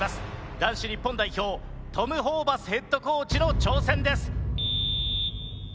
男子日本代表トム・ホーバスヘッドコーチの挑戦です！